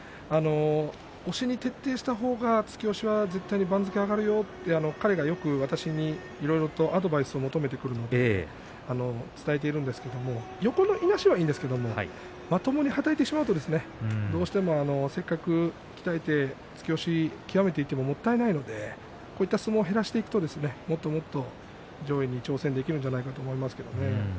押しに徹底した方が突き押しは絶対に番付は上がるよと彼が私にアドバイスを求めてきた時に伝えていますが横のいなしはいいんですがまともにはたいてしまうとどうしても、せっかく鍛えて突き押し極めていってももったいないのでこういう相撲をしていけばもっともっと上位に挑戦できるんじゃないかと思います。